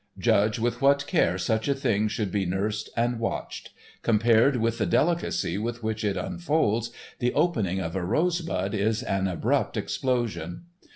Judge with what care such a thing should be nursed and watched; compared with the delicacy with which it unfolds, the opening of a rosebud is an abrupt explosion.